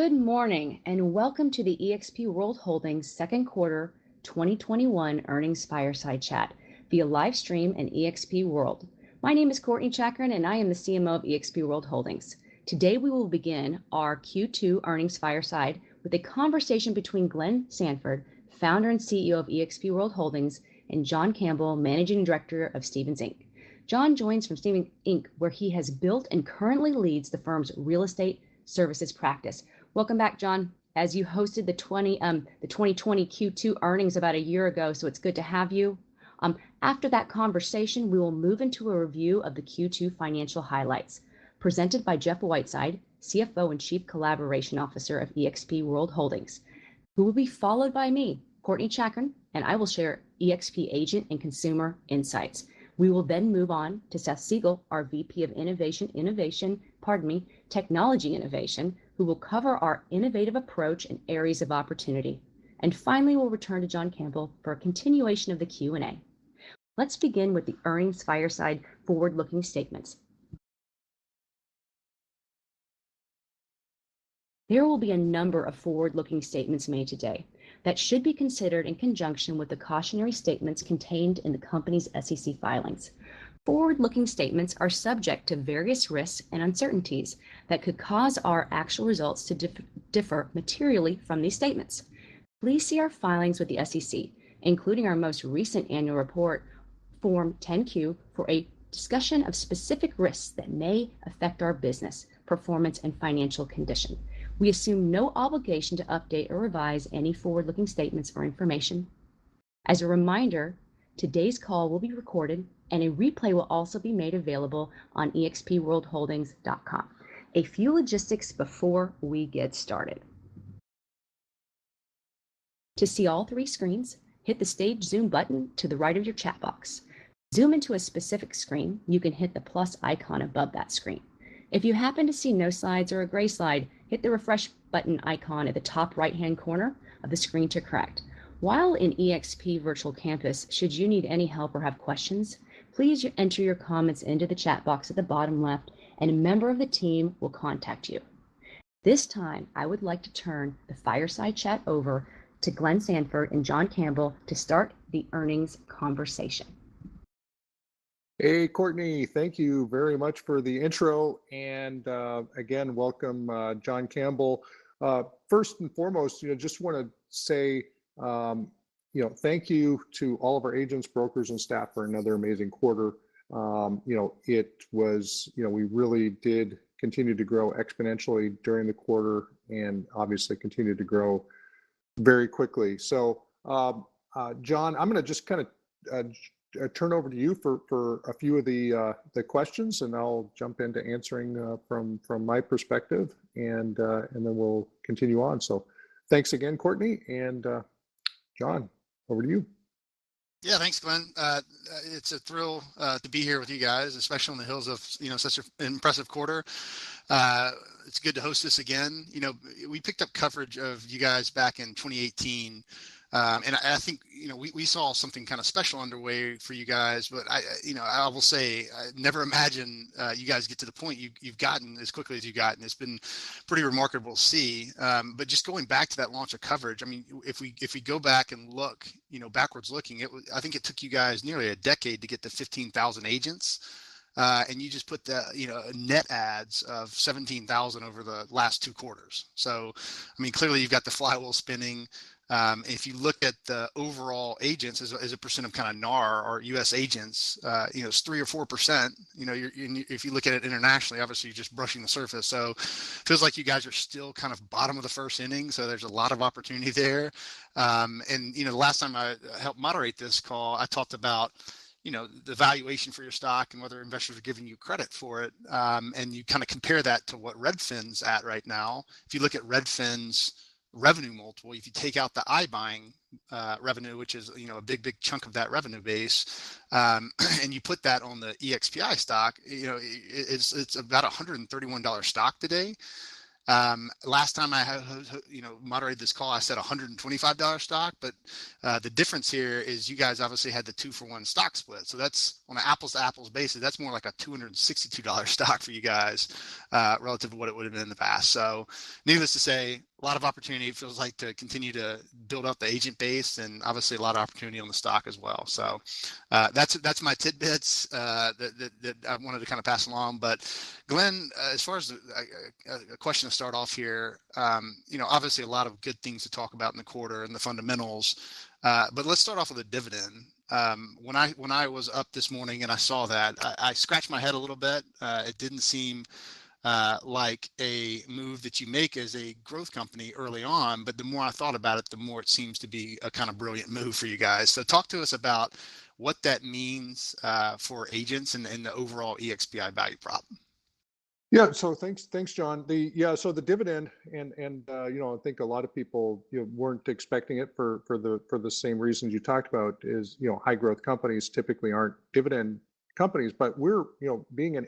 Good morning. Welcome to the eXp World Holdings Second Quarter 2021 earnings fireside chat, via live stream and eXp World. My name is Courtney Chakarun. I am the CMO of eXp World Holdings. Today we will begin our Q2 earnings fireside with a conversation between Glenn Sanford, Founder and CEO of eXp World Holdings, and John Campbell, Managing Director of Stephens Inc. John joins from Stephens Inc., where he has built and currently leads the firm's real estate services practice. Welcome back, John. As you hosted the 2020 Q2 earnings about a year ago, it's good to have you. After that conversation, we will move into a review of the Q2 financial highlights presented by Jeff Whiteside, CFO and Chief Collaboration Officer of eXp World Holdings, who will be followed by me, Courtney Chakarun, and I will share eXp agent and consumer insights. We will then move on to Seth Siegler, our VP of Technology Innovation, who will cover our innovative approach and areas of opportunity. Finally, we'll return to John Campbell for a continuation of the Q&A. Let's begin with the earnings fireside forward-looking statements. There will be a number of forward-looking statements made today that should be considered in conjunction with the cautionary statements contained in the company's SEC filings. Forward-looking statements are subject to various risks and uncertainties that could cause our actual results to differ materially from these statements. Please see our filings with the SEC, including our most recent annual report, Form 10-Q, for a discussion of specific risks that may affect our business performance and financial condition. We assume no obligation to update or revise any forward-looking statements or information. As a reminder, today's call will be recorded and a replay will also be made available on expworldholdings.com. A few logistics before we get started. To see all three screens, hit the Stage Zoom button to the right of your chat box. Zoom into a specific screen, you can hit the plus icon above that screen. If you happen to see no slides or a gray slide, hit the refresh button icon at the top right-hand corner of the screen to correct. While in eXp Virtual Campus, should you need any help or have questions, please enter your comments into the chat box at the bottom left and a member of the team will contact you. This time, I would like to turn the fireside chat over to Glenn Sanford and John Campbell to start the earnings conversation. Hey, Courtney Chakarun. Thank you very much for the intro, and again, welcome John Campbell. First and foremost, just want to say thank you to all of our agents, brokers, and staff for another amazing quarter. We really did continue to grow exponentially during the quarter and obviously continue to grow very quickly. John Campbell, I'm going to just kind of turn over to you for a few of the questions, and then I'll jump into answering from my perspective, and then we'll continue on. Thanks again, Courtney Chakarun, and John Campbell, over to you. Yeah. Thanks, Glenn. It's a thrill to be here with you guys, especially on the heels of such an impressive quarter. It's good to host this again. We picked up coverage of you guys back in 2018. I think we saw something kind of special underway for you guys. I will say, I never imagined you guys get to the point you've gotten as quickly as you got, and it's been pretty remarkable to see. Just going back to that launch of coverage, if we go back and look backwards looking, I think it took you guys nearly a decade to get to 15,000 agents. You just put net adds of 17,000 over the last two quarters. Clearly you've got the flywheel spinning. If you look at the overall agents as a percent of kind of NAR or U.S. agents, it's 3% or 4%. If you look at it internationally, obviously, you're just brushing the surface. Feels like you guys are still kind of bottom of the first inning, there's a lot of opportunity there. The last time I helped moderate this call, I talked about the valuation for your stock and whether investors are giving you credit for it. You kind of compare that to what Redfin's at right now. If you look at Redfin's revenue multiple, if you take out the iBuying revenue, which is a big chunk of that revenue base, and you put that on the EXPI stock, it's about $131 stock today. Last time I moderated this call, I said $125 stock. The difference here is you guys obviously had the 2-for-1 stock split. That's on an apples-to-apples basis, that's more like a $262 stock for you guys relative to what it would've been in the past. Needless to say, a lot of opportunity, feels like, to continue to build out the agent base and obviously a lot of opportunity on the stock as well. That's my tidbits that I wanted to kind of pass along. Glenn, as far as a question to start off here, obviously a lot of good things to talk about in the quarter and the fundamentals. Let's start off with the dividend. When I was up this morning and I saw that, I scratched my head a little bit. It didn't seem like a move that you make as a growth company early on. The more I thought about it, the more it seems to be a kind of brilliant move for you guys. Talk to us about what that means for agents and the overall EXPI value prop. Thanks, John. The dividend, and I think a lot of people weren't expecting it for the same reasons you talked about is, high growth companies typically aren't dividend companies. Being an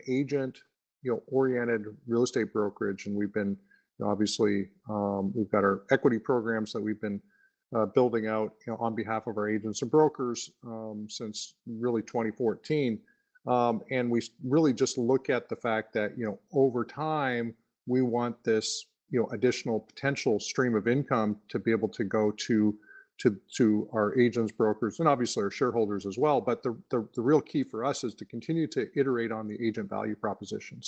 agent-oriented real estate brokerage, and obviously we've got our equity programs that we've been building out on behalf of our agents and brokers since really 2014. We really just look at the fact that over time we want this additional potential stream of income to be able to go to our agents, brokers, and obviously our shareholders as well. The real key for us is to continue to iterate on the agent value proposition.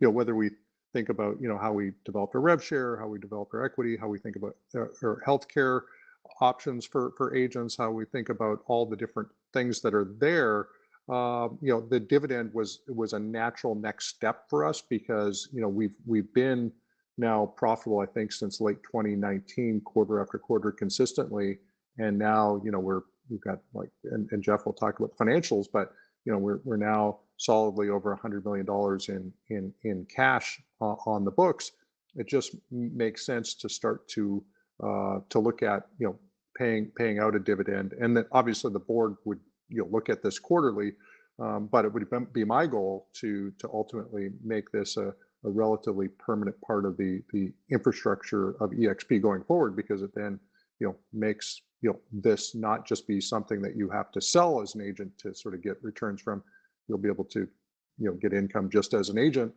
Whether we think about how we develop our rev share, how we develop our equity, how we think about our healthcare options for agents, how we think about all the different things that are there. The dividend was a natural next step for us because we've been now profitable, I think, since late 2019, quarter after quarter consistently. Jeff will talk about financials, but we're now solidly over $100 million in cash on the books. It just makes sense to start to look at paying out a dividend. Then obviously the board would look at this quarterly, but it would be my goal to ultimately make this a relatively permanent part of the infrastructure of eXp going forward because it then makes this not just be something that you have to sell as an agent to sort of get returns from. You'll be able to get income just as an agent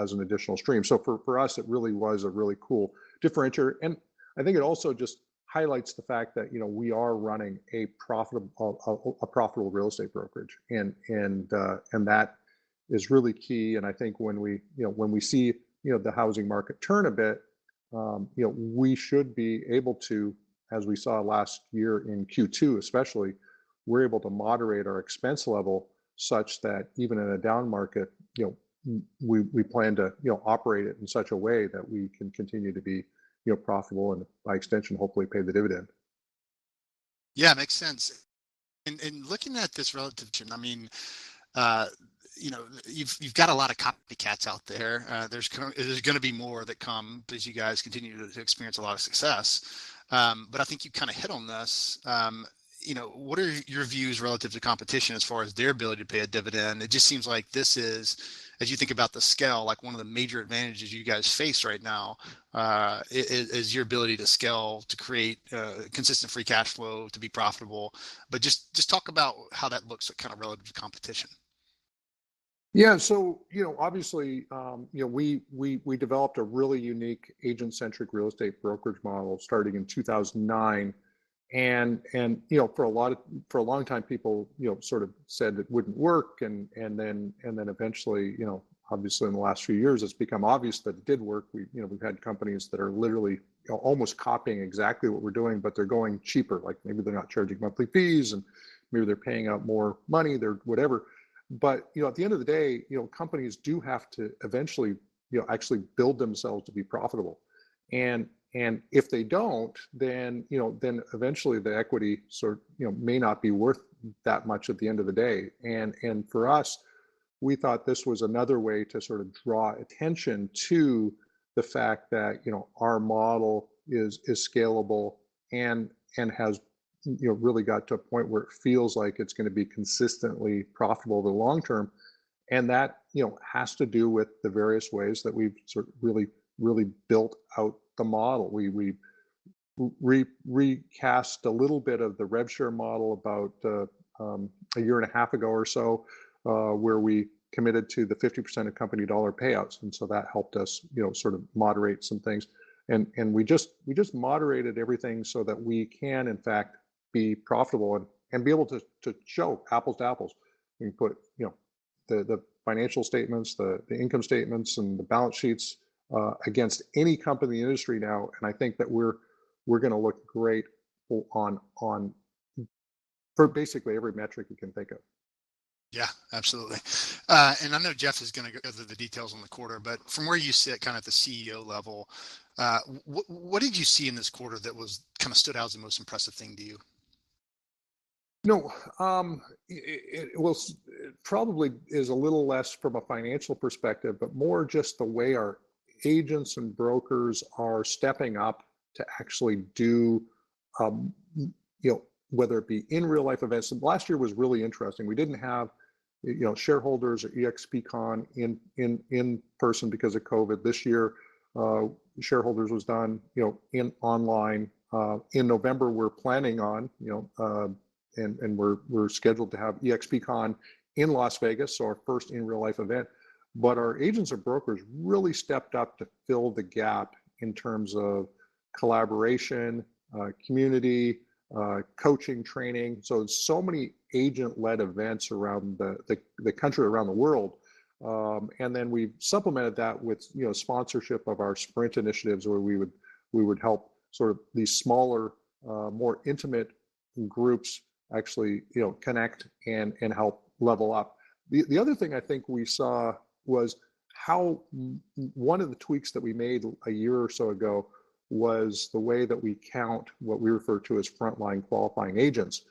as an additional stream. For us, it really was a really cool differentiator. I think it also just highlights the fact that we are running a profitable real estate brokerage. That is really key. I think when we see the housing market turn a bit, we should be able to, as we saw last year in Q2 especially, we're able to moderate our expense level such that even in a down market, we plan to operate it in such a way that we can continue to be profitable and by extension hopefully pay the dividend. Yeah, makes sense. Looking at this relative to, you've got a lot of copycats out there. There's going to be more that come as you guys continue to experience a lot of success. I think you kind of hit on this. What are your views relative to competition as far as their ability to pay a dividend? It just seems like this is, as you think about the scale, one of the major advantages you guys face right now, is your ability to scale, to create consistent free cash flow, to be profitable. Just talk about how that looks kind of relative to competition. Yeah. Obviously, we developed a really unique agent-centric real estate brokerage model starting in 2009. For a long time people sort of said it wouldn't work and then eventually, obviously in the last few years, it's become obvious that it did work. We've had companies that are literally almost copying exactly what we're doing, but they're going cheaper. Maybe they're not charging monthly fees and maybe they're paying out more money, whatever. At the end of the day, companies do have to eventually actually build themselves to be profitable. If they don't, then eventually the equity may not be worth that much at the end of the day. For us, we thought this was another way to sort of draw attention to the fact that our model is scalable and has really got to a point where it feels like it's going to be consistently profitable in the long term. That has to do with the various ways that we've sort of really built out the model. We recast a little bit of the rev share model about a year and a half ago or so, where we committed to the 50% of company dollar payouts. That helped us sort of moderate some things. We just moderated everything so that we can in fact be profitable and be able to show apples to apples. We can put the financial statements, the income statements, and the balance sheets against any company in the industry now, and I think that we're going to look great for basically every metric you can think of. Yeah, absolutely. I know Jeff is going to go into the details on the quarter, from where you sit kind of at the CEO level, what did you see in this quarter that kind of stood out as the most impressive thing to you? Well, it probably is a little less from a financial perspective, but more just the way our agents and brokers are stepping up to actually do, whether it be in real life events. Last year was really interesting. We didn't have shareholders at EXPCON in person because of COVID. This year, shareholders was done online. In November, we're planning on and we're scheduled to have EXPCON in Las Vegas, so our first in real life event. Our agents and brokers really stepped up to fill the gap in terms of collaboration, community, coaching, training. Many agent-led events around the country, around the world. We supplemented that with sponsorship of our sprint initiatives where we would help sort of these smaller, more intimate groups actually connect and help level up. The other thing I think we saw was how one of the tweaks that we made a year or so ago was the way that we count what we refer to as Frontline Qualifying Agents.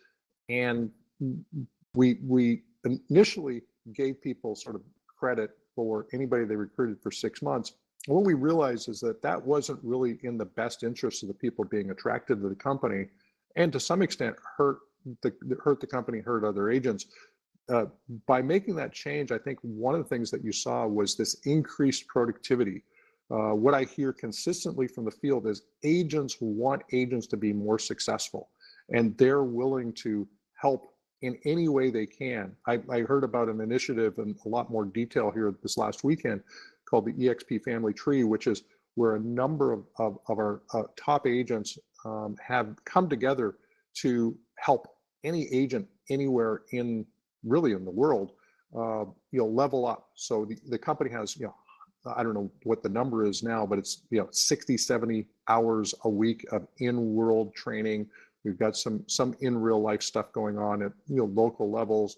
We initially gave people sort of credit for anybody they recruited for six months. What we realized is that that wasn't really in the best interest of the people being attracted to the company, and to some extent, hurt the company, hurt other agents. By making that change, I think one of the things that you saw was this increased productivity. What I hear consistently from the field is agents want agents to be more successful, and they're willing to help in any way they can. I heard about an initiative in a lot more detail here this last weekend called the eXp Family Tree, which is where a number of our top agents have come together to help any agent anywhere in the world level up. The company has, I don't know what the number is now, but it's 60, 70 hours a week of in-world training. We've got some in-real-life stuff going on at local levels,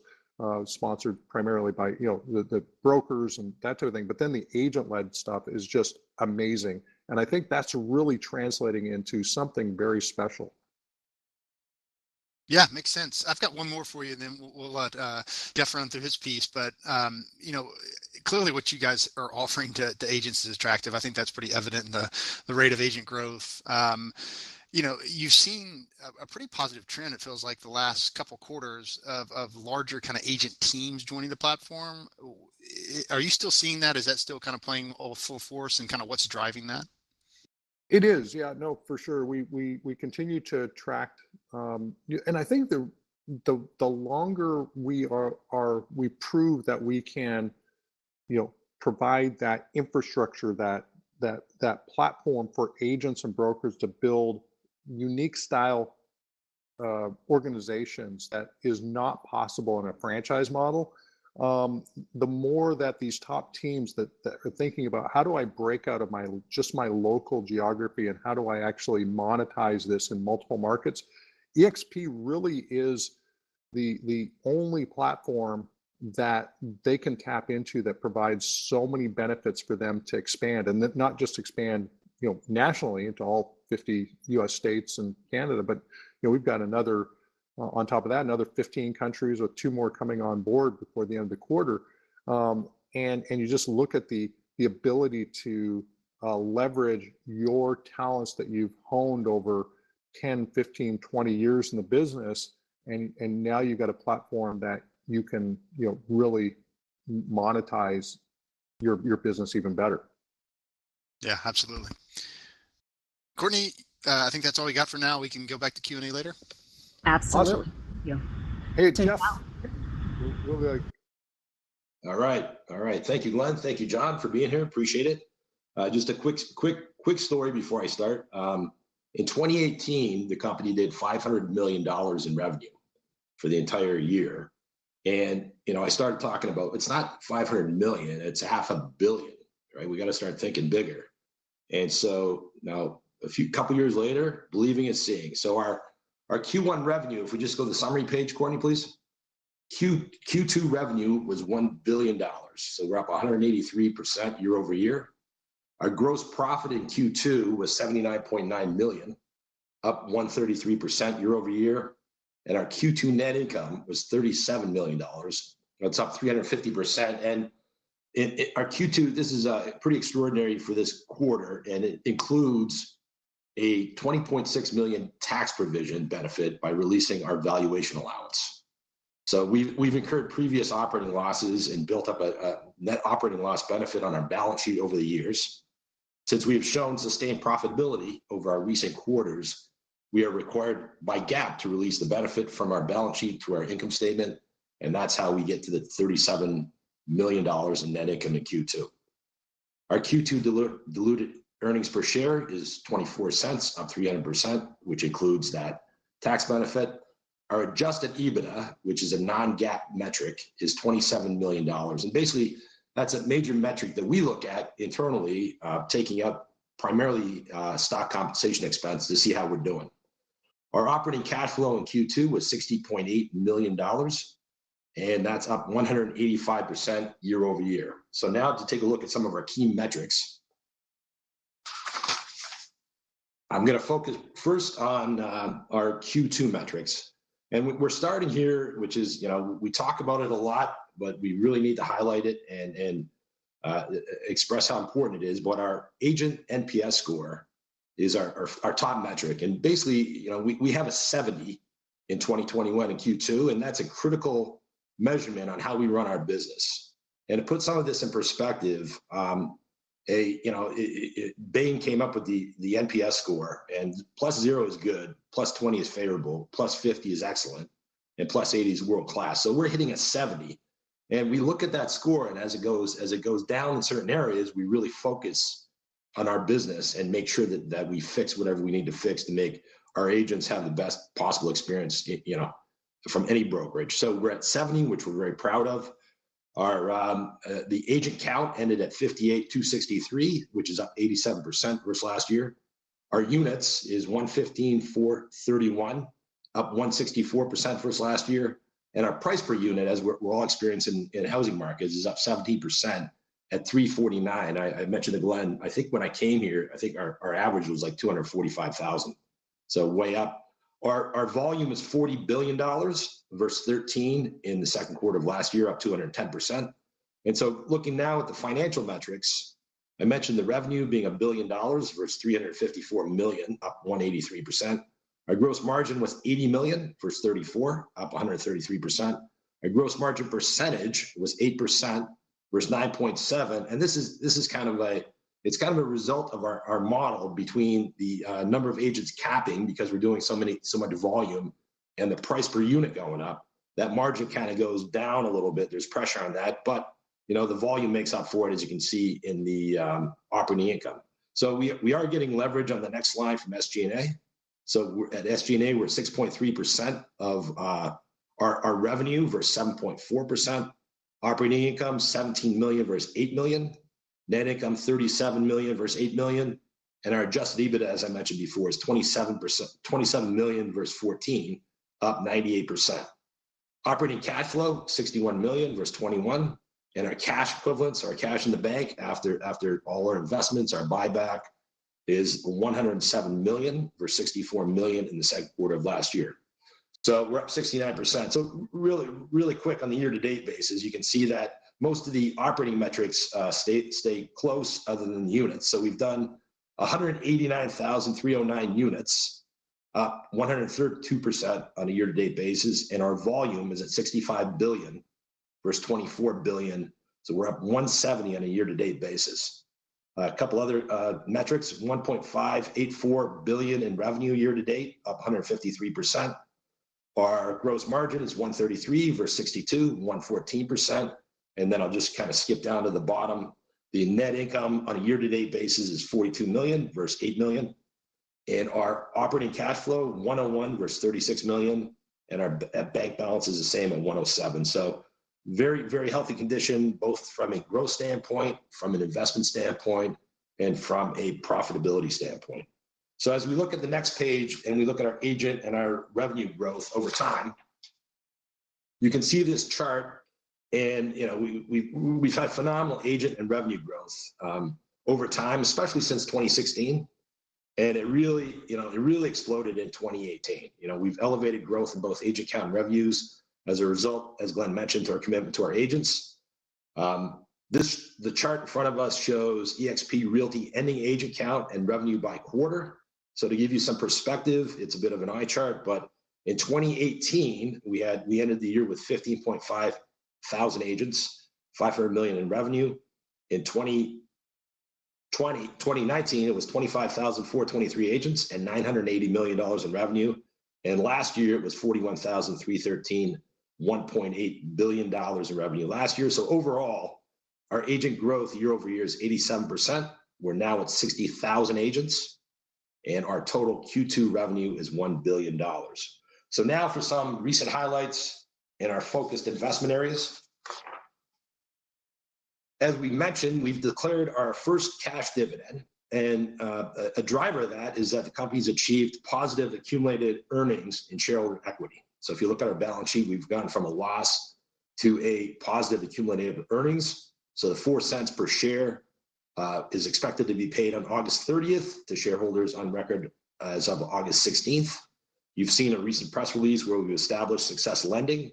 sponsored primarily by the brokers and that sort of thing. The agent-led stuff is just amazing, and I think that's really translating into something very special. Yeah. Makes sense. I've got one more for you, and then we'll let Jeff run through his piece. Clearly what you guys are offering to the agents is attractive. I think that's pretty evident in the rate of agent growth. You've seen a pretty positive trend, it feels like, the last couple of quarters of larger agent teams joining the platform. Are you still seeing that? Is that still playing out full force, and what's driving that? It is. Yeah. No, for sure. I think the longer we prove that we can provide that infrastructure, that platform for agents and brokers to build unique style organizations that is not possible in a franchise model, the more that these top teams that are thinking about how do I break out of just my local geography and how do I actually monetize this in multiple markets? eXp really is the only platform that they can tap into that provides so many benefits for them to expand. Not just expand nationally into all 50 U.S. states and Canada, but we've got another, on top of that, another 15 countries with two more coming on board before the end of the quarter. You just look at the ability to leverage your talents that you've honed over 10, 15, 20 years in the business, and now you've got a platform that you can really monetize your business even better. Yeah, absolutely. Courtney, I think that's all we got for now. We can go back to Q&A later? Absolutely. Awesome. Yeah. Hey, Tina. We'll be right. All right. Thank you, Glenn. Thank you, John, for being here. Appreciate it. Just a quick story before I start. In 2018, the company did $500 million in revenue for the entire year. I started talking about, it's not $500 million, it's half a billion. We got to start thinking bigger. Now, a couple of years later, believing and seeing. Our Q1 revenue, if we just go to the summary page, Courtney, please. Q2 revenue was $1 billion. We're up 183% year-over-year. Our gross profit in Q2 was $79.9 million, up 133% year-over-year. Our Q2 net income was $37 million. That's up 350%. Our Q2, this is pretty extraordinary for this quarter, and it includes a $20.6 million tax provision benefit by releasing our valuation allowance. We've incurred previous operating losses and built up a net operating loss benefit on our balance sheet over the years. Since we've shown sustained profitability over our recent quarters, we are required by GAAP to release the benefit from our balance sheet to our income statement, and that's how we get to the $37 million in net income in Q2. Our Q2 diluted earnings per share is $0.24, up 300%, which includes that tax benefit. Our adjusted EBITDA, which is a non-GAAP metric, is $27 million. That's a major metric that we look at internally, taking up primarily stock compensation expense to see how we're doing. Our operating cash flow in Q2 was $60.8 million, and that's up 185% year-over-year. Now to take a look at some of our key metrics. I'm going to focus first on our Q2 metrics. We're starting here, which is, we talk about it a lot, but we really need to highlight it and express how important it is, but our Agent NPS score is our top metric. Basically, we have a 70 in 2021 in Q2, and that's a critical measurement on how we run our business. To put some of this in perspective, Bain came up with the NPS score +0 is good, +20 is favorable, +50 is excellent, and +80 is world-class. We're hitting a 70, and we look at that score, and as it goes down in certain areas, we really focus on our business and make sure that we fix whatever we need to fix to make our agents have the best possible experience from any brokerage. We're at 70, which we're very proud of. The agent count ended at 58,263, which is up 87% versus last year. Our units is 115,431, up 164% versus last year. Our price per unit, as we're all experiencing in housing markets, is up 17% at 349. I mentioned to Glenn, I think when I came here, I think our average was like $245,000. Way up. Our volume is $40 billion versus $13 in the second quarter of last year, up 210%. Looking now at the financial metrics, I mentioned the revenue being $1 billion versus $354 million, up 183%. Our gross margin was $80 million versus $34, up 133%. Our gross margin percentage was 8% versus 9.7%. This is a result of our model between the number of agents capping because we're doing so much volume and the price per unit going up. That margin goes down a little bit. There's pressure on that. The volume makes up for it, as you can see in the operating income. We are getting leverage on the next slide from SG&A. At SG&A, we're at 6.3% of our revenue versus 7.4%. Operating income, $17 million versus $8 million. Net income, $37 million versus $8 million. Our adjusted EBITDA, as I mentioned before, is $27 million versus $14 million, up 98%. Operating cash flow, $61 million versus $21 million. Our cash equivalents, our cash in the bank after all our investments, our buyback, is $107 million versus $64 million in the second quarter of last year. We're up 69%. Really quick on the year-to-date basis, you can see that most of the operating metrics stayed close other than units. We've done 189,309 units, up 132% on a year-to-date basis. Our volume is at $65 billion versus $24 billion, so we're up 170% on a year-to-date basis. A couple of other metrics, $1.584 billion in revenue year-to-date, up 153%. Our gross margin is 133% versus 62%, 114%. I'll just skip down to the bottom. The net income on a year-to-date basis is $42 million versus $8 million. Our operating cash flow, $101 million versus $36 million. Our bank balance is the same at $107 million. Very healthy condition, both from a growth standpoint, from an investment standpoint, and from a profitability standpoint. As we look at the next page and we look at our agent and our revenue growth over time, you can see this chart, we've had phenomenal agent and revenue growth over time, especially since 2016. It really exploded in 2018. We've elevated growth in both agent count and revenues as a result, as Glenn mentioned, to our commitment to our agents. The chart in front of us shows eXp Realty ending agent count and revenue by quarter. To give you some perspective, it's a bit of an eye chart, but in 2018, we ended the year with 15,500 agents, $500 million in revenue. In 2019, it was 25,423 agents and $980 million in revenue. Last year it was 41,313, $1.8 billion in revenue last year. Overall, our agent growth year-over-year is 87%. We're now at 60,000 agents, and our total Q2 revenue is $1 billion. Now for some recent highlights in our focused investment areas. As we mentioned, we've declared our first cash dividend, and a driver of that is that the company's achieved positive accumulated earnings in shareholder equity. If you look at our balance sheet, we've gone from a loss to a positive cumulative earnings. The $0.04 per share is expected to be paid on August 30th to shareholders on record as of August 16th. You've seen a recent press release where we've established SUCCESS Lending.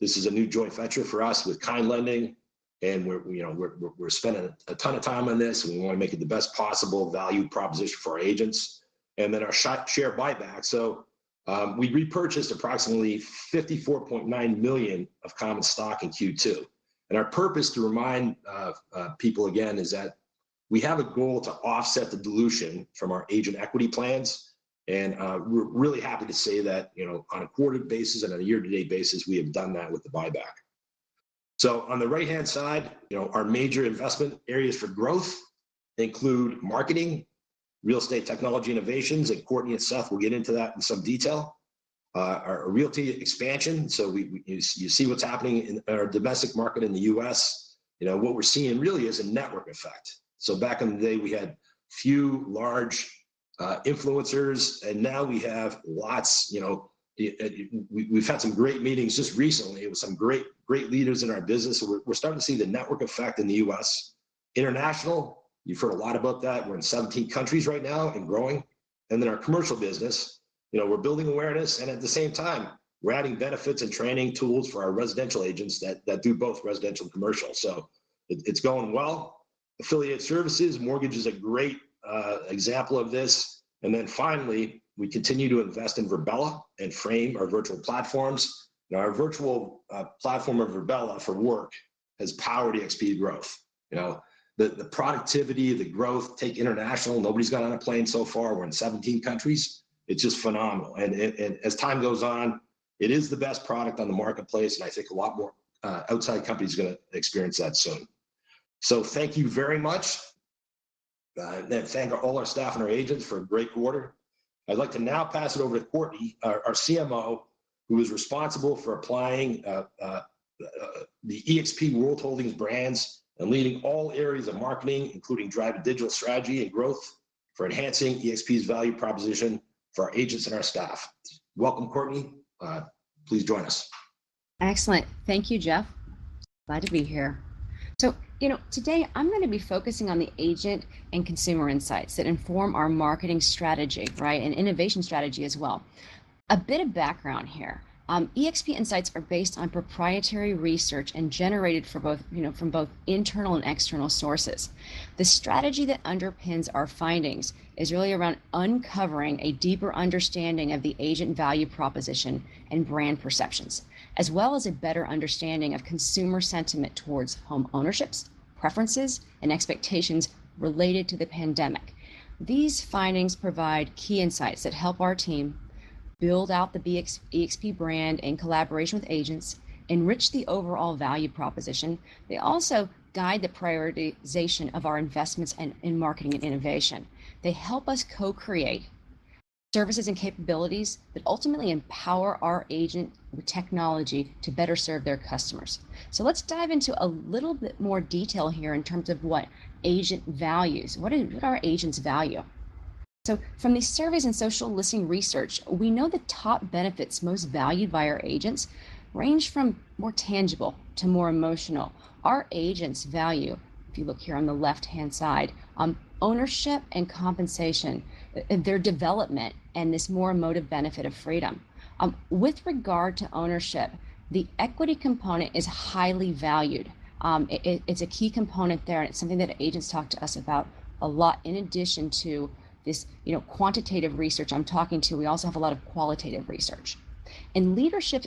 This is a new joint venture for us with Kind Lending, and we're spending a ton of time on this, and we want to make it the best possible value proposition for our agents. Our share buyback. We repurchased approximately $54.9 million of common stock in Q2. Our purpose to remind people again is that we have a goal to offset the dilution from our agent equity plans, and we're really happy to say that on a quarter basis and on a year-to-date basis, we have done that with the buyback. On the right-hand side, our major investment areas for growth include marketing, real estate technology innovations, and Courtney Chakarun and Seth Siegler will get into that in some detail. Our eXp Realty expansion, you see what's happening in our domestic market in the U.S. What we're seeing really is a network effect. Back in the day, we had few large influencers, and now we have lots. We've had some great meetings just recently with some great leaders in our business. We're starting to see the network effect in the U.S. International, you've heard a lot about that. We're in 17 countries right now and growing. Our commercial business, we're building awareness, and at the same time, we're adding benefits and training tools for our residential agents that do both residential and commercial. It's going well. Affiliate services, mortgage is a great example of this. Finally, we continue to invest in Virbela and Frame, our virtual platforms. Our virtual platform of Virbela for work has powered eXp's growth. The productivity, the growth, take international. Nobody's got on a plane so far. We're in 17 countries. It's just phenomenal. As time goes on, it is the best product on the marketplace, and I think a lot more outside companies are going to experience that soon. Thank you very much. Thank all our staff and our agents for a great quarter. I'd like to now pass it over to Courtney Chakarun, our CMO, who is responsible for applying the eXp World Holdings brands and leading all areas of marketing, including driving digital strategy and growth for enhancing eXp's value proposition for our agents and our staff. Welcome, Courtney. Please join us. Excellent. Thank you, Jeff. Glad to be here. Today I'm going to be focusing on the agent and consumer insights that inform our marketing strategy, and innovation strategy as well. A bit of background here. eXp insights are based on proprietary research and generated from both internal and external sources. The strategy that underpins our findings is really around uncovering a deeper understanding of the agent value proposition and brand perceptions, as well as a better understanding of consumer sentiment towards home ownership, preferences, and expectations related to the pandemic. These findings provide key insights that help our team build out the eXp brand in collaboration with agents, enrich the overall value proposition. They also guide the prioritization of our investments in marketing and innovation. They help us co-create services and capabilities that ultimately empower our agent technology to better serve their customers. Let's dive into a little bit more detail here in terms of what agent values. What do our agents value? From these surveys and social listening research, we know the top benefits most valued by our agents range from more tangible to more emotional. Our agents value, if you look here on the left-hand side, ownership and compensation, their development, and this more emotive benefit of freedom. With regard to ownership, the equity component is highly valued. It's a key component there, and it's something that agents talk to us about a lot. In addition to this quantitative research I'm talking to, we also have a lot of qualitative research. In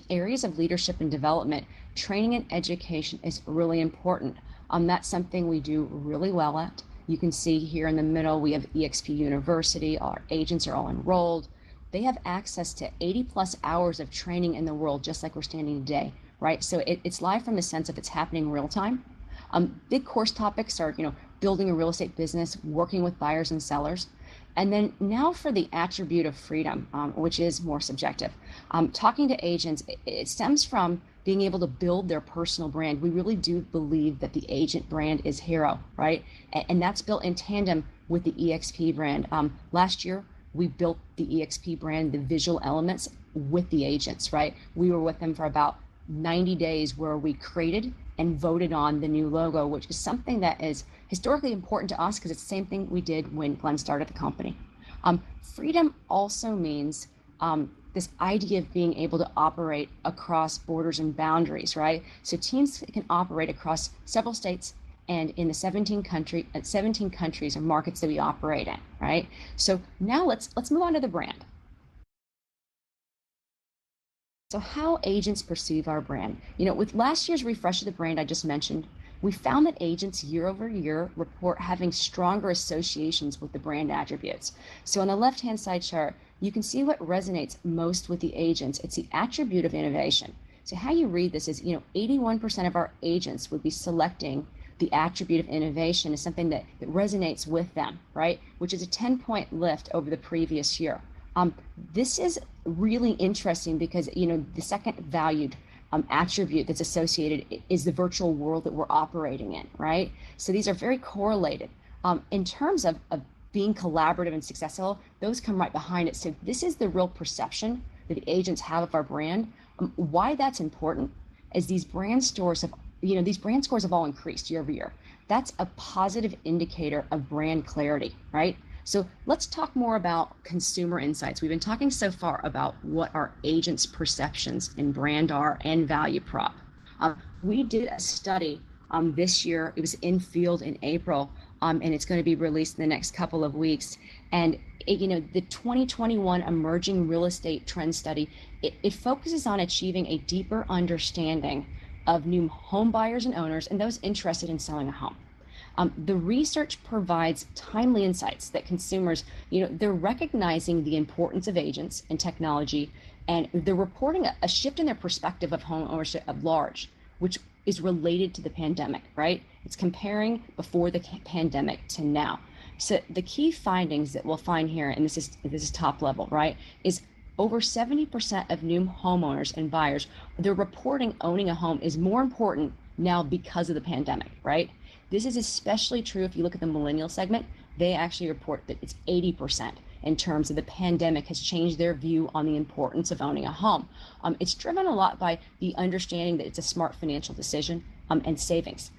areas of leadership and development, training and education is really important. That's something we do really well at. You can see here in the middle, we have eXp University. Our agents are all enrolled. They have access to 80+ hours of training in the world, just like we're standing today. Right? It's live from the sense of it's happening in real-time. Big course topics are building a real estate business, working with buyers and sellers. For the attribute of freedom, which is more subjective. Talking to agents, it stems from being able to build their personal brand. We really do believe that the agent brand is hero, right? That's built in tandem with the eXp brand. Last year, we built the eXp brand, the visual elements, with the agents, right? We were with them for about 90 days, where we created and voted on the new logo, which is something that is historically important to us because it's the same thing we did when Glenn started the company. Freedom also means this idea of being able to operate across borders and boundaries, right? Teams can operate across several states and in the 17 countries or markets that we operate in. Right? Now let's move on to the brand. How agents perceive our brand. With last year's refresh of the brand I just mentioned, we found that agents year-over-year report having stronger associations with the brand attributes. On the left-hand side chart, you can see what resonates most with the agents. It's the attribute of innovation. How you read this is 81% of our agents would be selecting the attribute of innovation as something that resonates with them, right, which is a 10-point lift over the previous year. This is really interesting because the second valued attribute that's associated is the virtual world that we're operating in, right? These are very correlated. In terms of being collaborative and successful, those come right behind it. This is the real perception that agents have of our brand. Why that's important is these brand scores have all increased year-over-year. That's a positive indicator of brand clarity, right? Let's talk more about consumer insights. We've been talking so far about what our agents' perceptions in brand are and value prop. We did a study this year, it was in field in April, and it's going to be released in the next couple of weeks. The 2021 Emerging Real Estate Trends study, it focuses on achieving a deeper understanding of new home buyers and owners and those interested in selling a home. The research provides timely insights that consumers, they're recognizing the importance of agents and technology, and they're reporting a shift in their perspective of home ownership at large, which is related to the pandemic, right? It's comparing before the pandemic to now. The key findings that we'll find here, and this is top level, right, is over 70% of new homeowners and buyers, they're reporting owning a home is more important now because of the pandemic. Right? This is especially true if you look at the millennial segment. They actually report that it's 80% in terms of the pandemic has changed their view on the importance of owning a home. It's driven a lot by the understanding that it's a smart financial decision and savings.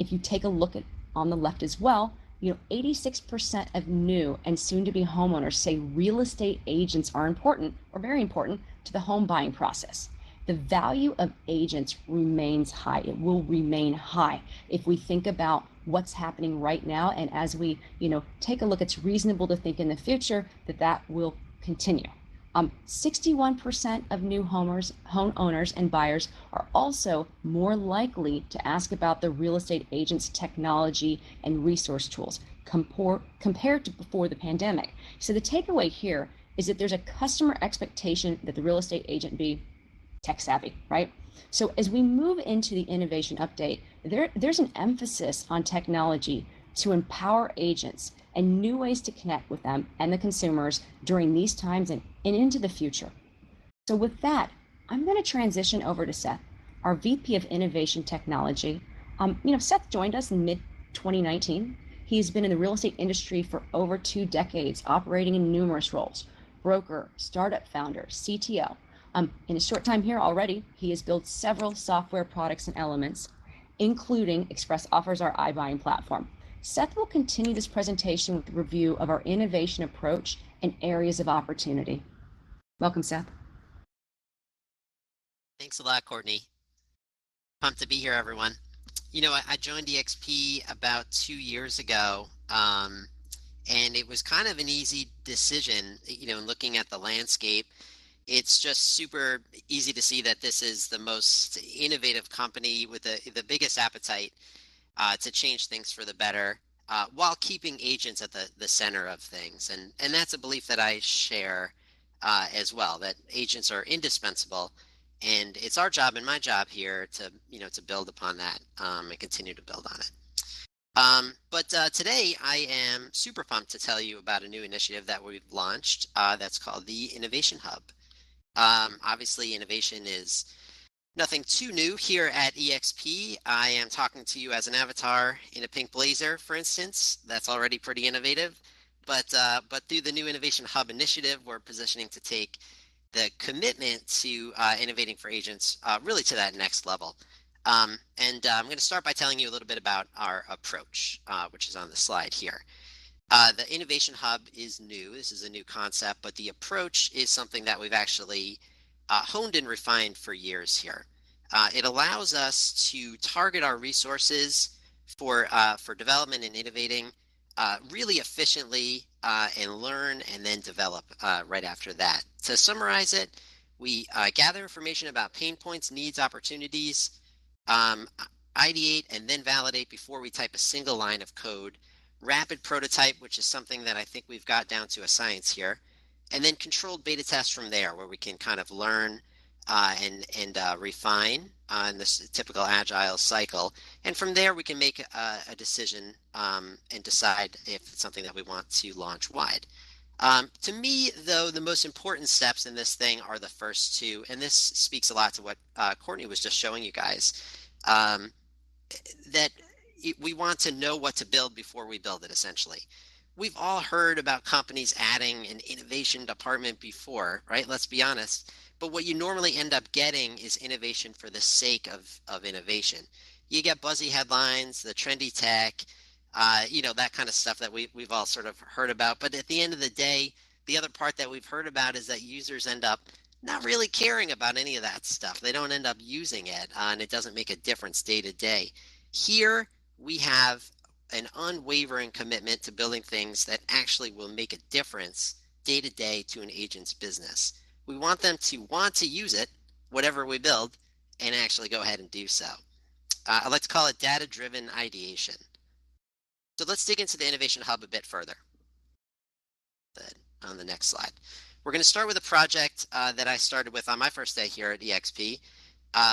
If you take a look at on the left as well, 86% of new and soon-to-be homeowners say real estate agents are important or very important to the home buying process. The value of agents remains high. It will remain high. If we think about what's happening right now, and as we take a look, it's reasonable to think in the future that that will continue. 61% of new homeowners and buyers are also more likely to ask about the real estate agent's technology and resource tools, compared to before the pandemic. The takeaway here is that there's a customer expectation that the real estate agent be tech-savvy, right? As we move into the innovation update, there's an emphasis on technology to empower agents and new ways to connect with them and the consumers during these times and into the future. With that, I am going to transition over to Seth, our VP of Innovation Technology. Seth joined us in mid-2019. He has been in the real estate industry for over two decades, operating in numerous roles. Broker, startup founder, CTO. In his short time here already, he has built several software products and elements, including ExpressOffers, our iBuying platform. Seth will continue this presentation with a review of our innovation approach and areas of opportunity. Welcome, Seth. Thanks a lot, Courtney. Pumped to be here, everyone. I joined eXp about two years ago, and it was kind of an easy decision. In looking at the landscape, it's just super easy to see that this is the most innovative company with the biggest appetite to change things for the better while keeping agents at the center of things. That's a belief that I share as well, that agents are indispensable, and it's our job and my job here to build upon that and continue to build on it. Today, I am super pumped to tell you about a new initiative that we've launched that's called the Innovation Hub. Obviously, innovation is nothing too new here at eXp. I am talking to you as an avatar in a pink blazer, for instance. That's already pretty innovative. Through the new Innovation Hub initiative, we're positioning to take the commitment to innovating for agents really to that next level. I'm going to start by telling you a little bit about our approach, which is on the slide here. The Innovation Hub is new. This is a new concept, but the approach is something that we've actually honed and refined for years here. It allows us to target our resources for development and innovating really efficiently and learn and then develop right after that. To summarize it, we gather information about pain points, needs, opportunities, ideate, and then validate before we type a single line of code. Rapid prototype, which is something that I think we've got down to a science here, and then controlled beta test from there, where we can kind of learn and refine on this typical agile cycle. From there, we can make a decision and decide if it's something that we want to launch wide. To me, though, the most important steps in this thing are the first two, and this speaks a lot to what Courtney was just showing you guys, that we want to know what to build before we build it, essentially. We've all heard about companies adding an innovation department before, right? Let's be honest. What you normally end up getting is innovation for the sake of innovation. You get buzzy headlines, the trendy tech, that kind of stuff that we've all sort of heard about. At the end of the day, the other part that we've heard about is that users end up not really caring about any of that stuff. They don't end up using it, and it doesn't make a difference day to day. Here, we have an unwavering commitment to building things that actually will make a difference day to day to an agent's business. We want them to want to use it, whatever we build, and actually go ahead and do so. I like to call it data-driven ideation. Let's dig into the Innovation Hub a bit further on the next slide. We're going to start with a project that I started with on my first day here at eXp,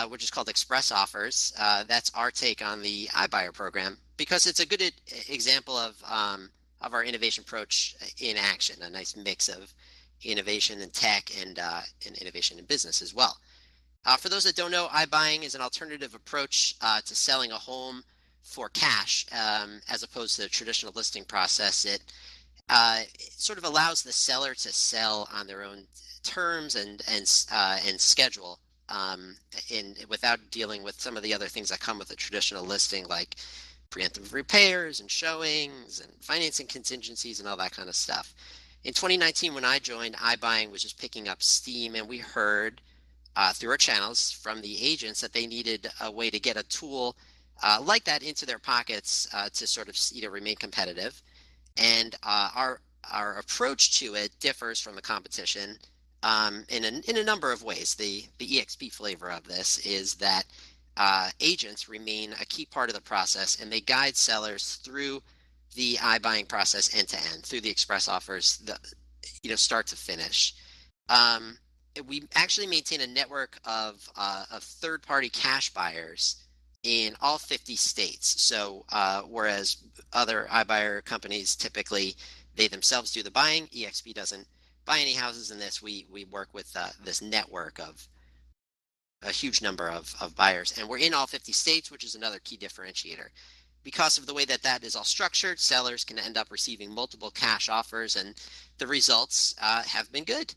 which is called ExpressOffers. That's our take on the iBuyer program because it's a good example of our innovation approach in action, a nice mix of innovation and tech and innovation in business as well. For those that don't know, iBuying is an alternative approach to selling a home for cash as opposed to the traditional listing process. It sort of allows the seller to sell on their own terms and schedule without dealing with some of the other things that come with a traditional listing like preemptive repairs and showings and financing contingencies and all that kind of stuff. In 2019, when I joined, iBuying was just picking up steam. We heard through our channels from the agents that they needed a way to get a tool like that into their pockets to sort of remain competitive. Our approach to it differs from the competition in a number of ways. The eXp flavor of this is that agents remain a key part of the process, and they guide sellers through the iBuying process end to end, through the ExpressOffers start to finish. We actually maintain a network of third-party cash buyers in all 50 states. Whereas other iBuyer companies, typically they themselves do the buying, eXp doesn't buy any houses in this. We work with this network of a huge number of buyers, and we're in all 50 states, which is another key differentiator. Because of the way that that is all structured, sellers can end up receiving multiple cash offers, and the results have been good.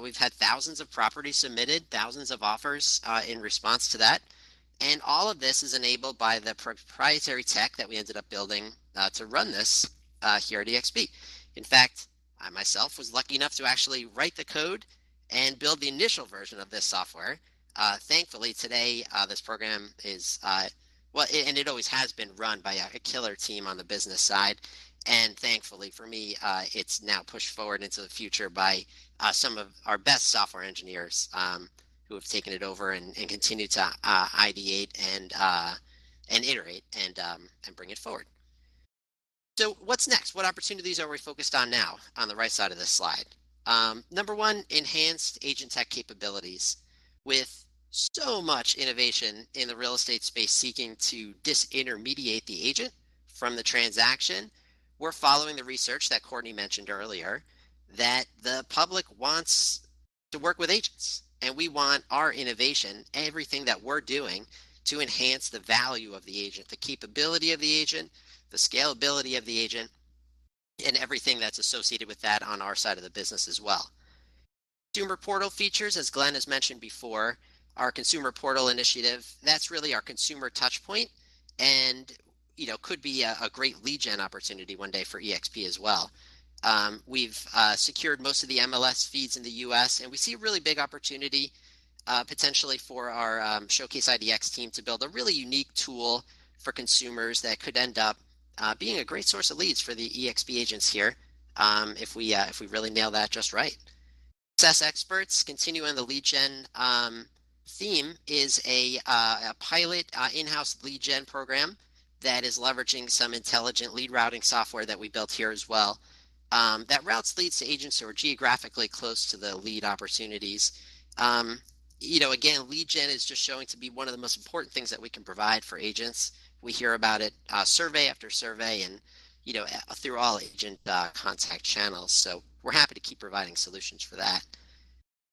We've had thousands of properties submitted, thousands of offers in response to that, and all of this is enabled by the proprietary tech that we ended up building to run this here at eXp. In fact, I myself was lucky enough to actually write the code and build the initial version of this software. Thankfully, today, this program is, well, and it always has been run by a killer team on the business side. Thankfully for me, it's now pushed forward into the future by some of our best software engineers who have taken it over and continue to ideate and iterate and bring it forward. What's next? What opportunities are we focused on now on the right side of this slide? Number one, enhanced agent tech capabilities. With so much innovation in the real estate space seeking to disintermediate the agent from the transaction, we're following the research that Courtney mentioned earlier that the public wants to work with agents, and we want our innovation, everything that we're doing, to enhance the value of the agent, the capability of the agent, the scalability of the agent, and everything that's associated with that on our side of the business as well. Consumer portal features, as Glenn has mentioned before, our consumer portal initiative, that's really our consumer touch point and could be a great lead gen opportunity one day for eXp as well. We've secured most of the MLS feeds in the U.S. We see a really big opportunity, potentially, for our Showcase IDX team to build a really unique tool for consumers that could end up being a great source of leads for the eXp agents here if we really nail that just right. Success Experts, continuing the lead gen theme, is a pilot in-house lead gen program that is leveraging some intelligent lead routing software that we built here as well, that routes leads to agents who are geographically close to the lead opportunities. Lead gen is just showing to be one of the most important things that we can provide for agents. We hear about it survey after survey and through all agent contact channels. We're happy to keep providing solutions for that.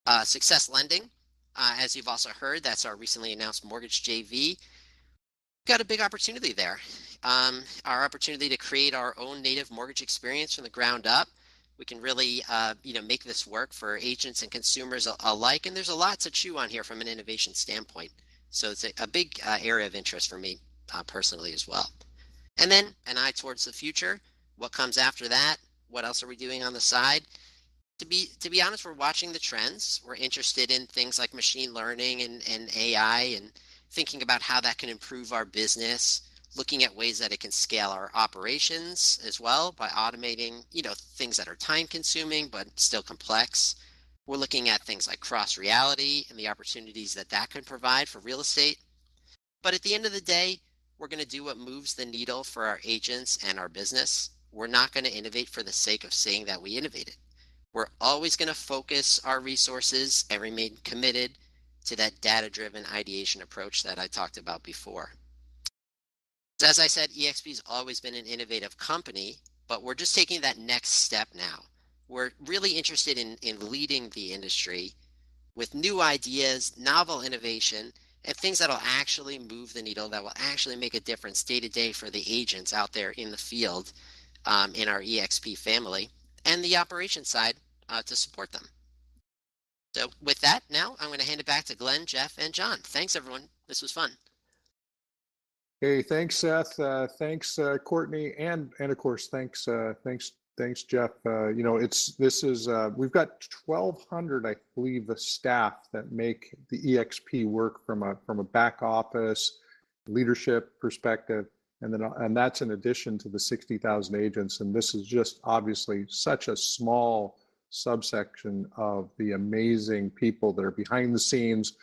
SUCCESS Lending, as you've also heard, that's our recently announced mortgage JV. We've got a big opportunity there. Our opportunity to create our own native mortgage experience from the ground up. We can really make this work for agents and consumers alike. There's a lot to chew on here from an innovation standpoint. It's a big area of interest for me personally as well. An eye towards the future. What comes after that? What else are we doing on the side? To be honest, we're watching the trends. We're interested in things like machine learning and AI and thinking about how that can improve our business. Looking at ways that it can scale our operations as well by automating things that are time-consuming, but still complex. We're looking at things like cross-reality and the opportunities that that could provide for real estate. At the end of the day, we're going to do what moves the needle for our agents and our business. We're not going to innovate for the sake of saying that we innovated. We're always going to focus our resources and remain committed to that data-driven ideation approach that I talked about before. As I said, eXp has always been an innovative company, but we're just taking that next step now. We're really interested in leading the industry with new ideas, novel innovation, and things that'll actually move the needle, that will actually make a difference day to day for the agents out there in the field in our eXp family, and the operations side to support them. With that, now I'm going to hand it back to Glenn, Jeff, and John. Thanks everyone. This was fun. Hey, thanks, Seth. Thanks, Courtney, and of course, thanks, Jeff. We've got 1,200, I believe, the staff that make the eXp work from a back office leadership perspective, and that's in addition to the 60,000 agents, and this is just obviously such a small subsection of the amazing people that are behind the scenes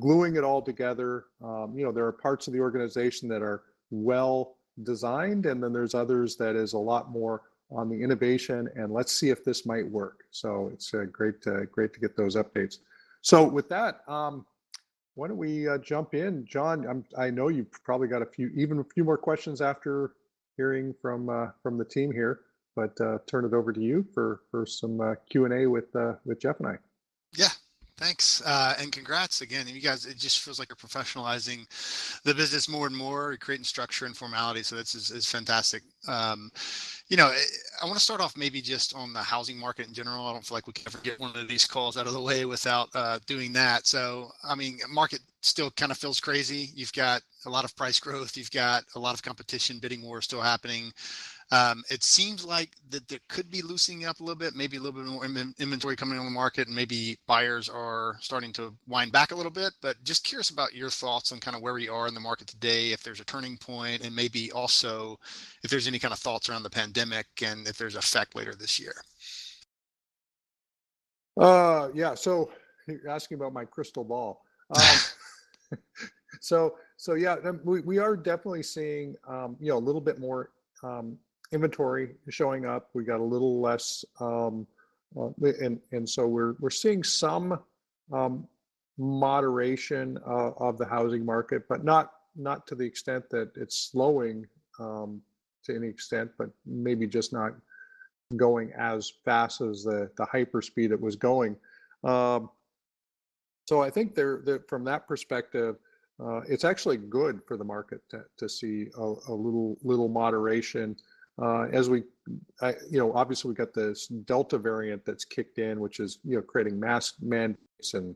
gluing it all together. There are parts of the organization that are well designed, and then there's others that is a lot more on the innovation and let's see if this might work. It's great to get those updates. With that, why don't we jump in. John, I know you've probably got even a few more questions after hearing from the team here, but turn it over to you for some Q&A with Jeff and I. Yeah. Thanks, and congrats again. You guys, it just feels like you're professionalizing the business more and more. You're creating structure and formality, so this is fantastic. I want to start off maybe just on the housing market in general. I don't feel like we can ever get one of these calls out of the way without doing that. Market still kind of feels crazy. You've got a lot of price growth. You've got a lot of competition, bidding war still happening. It seems like that could be loosening up a little bit, maybe a little bit more inventory coming on the market, and maybe buyers are starting to wind back a little bit. Just curious about your thoughts on kind of where we are in the market today, if there's a turning point, maybe also if there's any kind of thoughts around the Pandemic and if there's effect later this year. Yeah. You're asking about my crystal ball. Yeah, we are definitely seeing a little bit more inventory showing up. We're seeing some moderation of the housing market, but not to the extent that it's slowing to any extent, but maybe just not going as fast as the hyper-speed it was going. I think from that perspective, it's actually good for the market to see a little moderation. Obviously, we've got this Delta variant that's kicked in, which is creating mask mandates and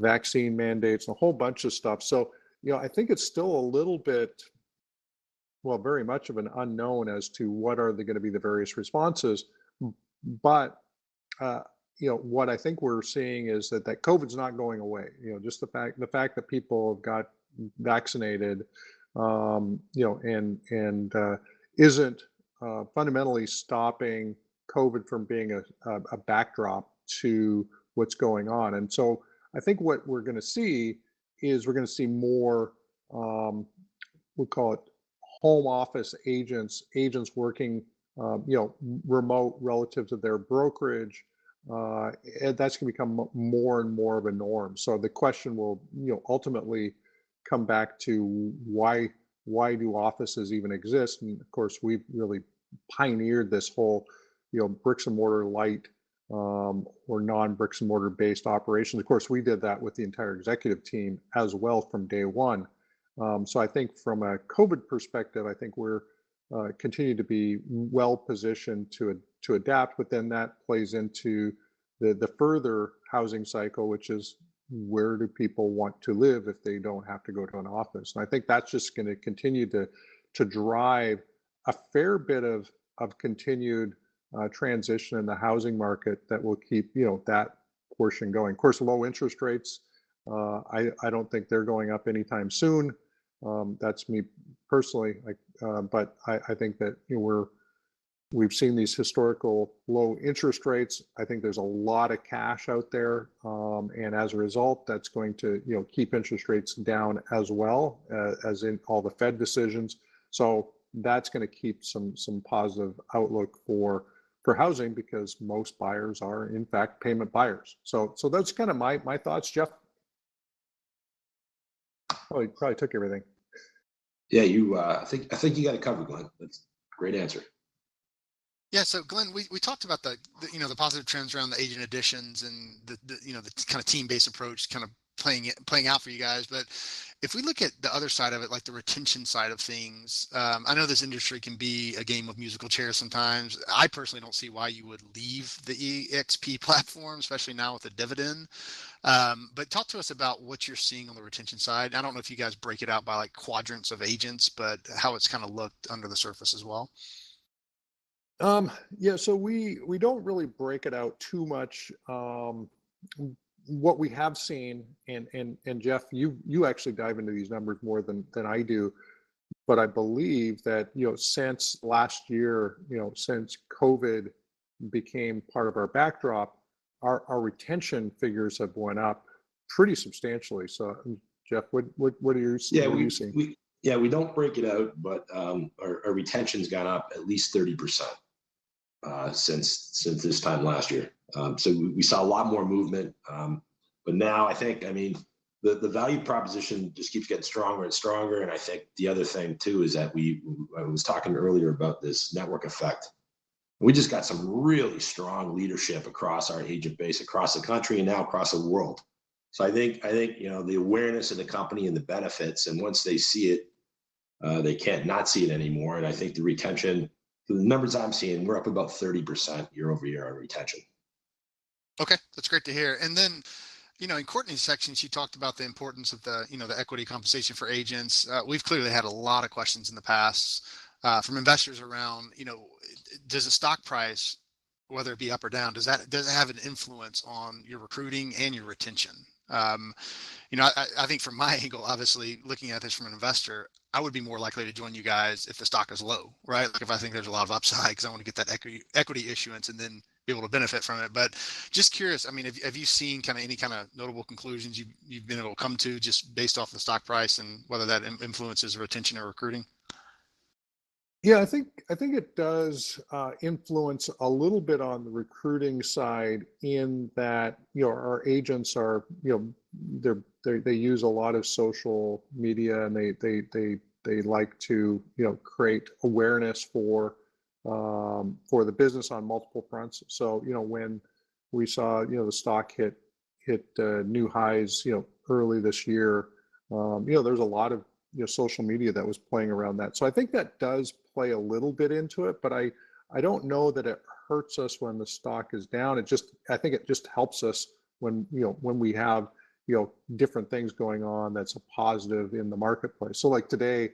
vaccine mandates and a whole bunch of stuff. I think it's still a little bit, well, very much of an unknown as to what are going to be the various responses. What I think we're seeing is that COVID's not going away. Just the fact that people got vaccinated isn't fundamentally stopping COVID from being a backdrop to what's going on. I think what we're going to see is we're going to see more, we'll call it home office agents working remote relative to their brokerage. That's going to become more and more of a norm. The question will ultimately come back to why do offices even exist? Of course, we've really pioneered this whole bricks and mortar light or non-bricks and mortar based operation. Of course, we did that with the entire executive team as well from day one. I think from a COVID perspective, I think we're continuing to be well-positioned to adapt, that plays into the further housing cycle, which is where do people want to live if they don't have to go to an office? I think that's just going to continue to drive a fair bit of continued transition in the housing market that will keep that portion going. Of course, low interest rates, I don't think they're going up anytime soon. That's me personally. I think that we've seen these historical low interest rates. I think there's a lot of cash out there. As a result, that's going to keep interest rates down as well as in all the Fed decisions. That's going to keep some positive outlook for housing because most buyers are, in fact, payment buyers. That's my thoughts, Jeff. Oh, he probably took everything. Yeah. I think you got it covered, Glenn. That's a great answer. Yeah. Glenn, we talked about the positive trends around the agent additions and the kind of team-based approach kind of playing out for you guys. If we look at the other side of it, the retention side of things, I know this industry can be a game of musical chairs sometimes. I personally don't see why you would leave the eXp platform, especially now with a dividend. Talk to us about what you're seeing on the retention side. I don't know if you guys break it out by quadrants of agents, but how it's kind of looked under the surface as well. Yeah. We don't really break it out too much. What we have seen, and Jeff, you actually dive into these numbers more than I do, but I believe that since last year, since COVID became part of our backdrop, our retention figures have gone up pretty substantially. Jeff, what are you seeing? Yeah. We don't break it out, but our retention's gone up at least 30% since this time last year. We saw a lot more movement. Now I think the value proposition just keeps getting stronger and stronger. I think the other thing too is that I was talking earlier about this network effect. We just got some really strong leadership across our agent base, across the country, and now across the world. I think the awareness of the company and the benefits, and once they see it, they can't not see it anymore. I think the retention, the numbers I'm seeing, we're up about 30% year-over-year on retention. Okay. That's great to hear. In Courtney's section, she talked about the importance of the equity compensation for agents. We've clearly had a lot of questions in the past from investors around does the stock price, whether it be up or down, does it have an influence on your recruiting and your retention? I think from my angle, obviously, looking at this from an investor, I would be more likely to join you guys if the stock is low, right? If I think there's a lot of upside because I want to get that equity issuance and then be able to benefit from it. Just curious, have you seen any kind of notable conclusions you've been able to come to just based off the stock price and whether that influences retention or recruiting? Yeah, I think it does influence a little bit on the recruiting side in that our agents use a lot of social media, and they like to create awareness for the business on multiple fronts. When we saw the stock hit new highs early this year, there's a lot of social media that was playing around that. I think that does play a little bit into it, but I don't know that it hurts us when the stock is down. I think it just helps us when we have different things going on that's a positive in the marketplace. Like today,